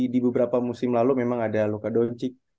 di beberapa musim lalu memang ada luka doncik